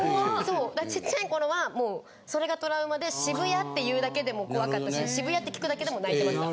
ちっちゃい頃はもうそれがトラウマで渋谷って言うだけでも怖かったし渋谷って聞くだけでも泣いてました。